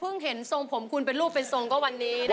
เห็นทรงผมคุณเป็นรูปเป็นทรงก็วันนี้นะคะ